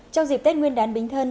trong dịp tết nguyên đán bính thân